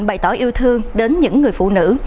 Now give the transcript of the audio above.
bày tỏ yêu thương đến những người phụ nữ